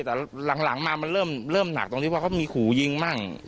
แต่หลังหลังมามันเริ่มเริ่มหนักตรงที่ว่าเขามีขู่ยิงบ้าง